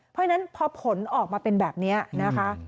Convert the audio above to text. เพราะฉะนั้นพอผลออกมาเป็นแบบนี้นะคะ